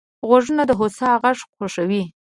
غوږونه د هوسا غږ خوښوي